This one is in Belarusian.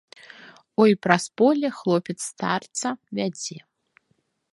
Ой, праз поле хлопец старца вядзе.